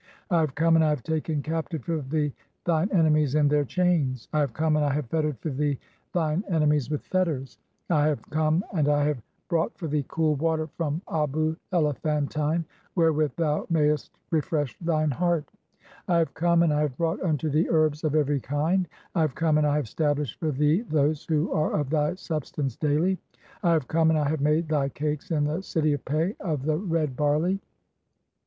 (28) "I have come, and I have taken captive for thee thine "enemies in their chains. (29) "I have come, and I have fettered for thee thine ene "mies with fetters. (30) "I have come, and I have brought for thee cool water "from Abu (Elephantine), wherewith thou mayest refresh thine "heart. (3i) "I have come, and I have brought unto thee herbs of "every kind. (32) "I have come, and I have stablished for thee those who "are of thy substance daily. (33) "I have come, and I have made thy cakes in the city "of Pe of the red barley. 1. The text actually has, "1 have overthrown."